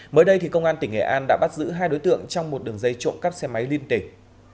mới đây thì công an tỉnh nghệ an đã bắt giữ hai đối tượng trong một đường dây trộm cắp xe máy liên tỉnh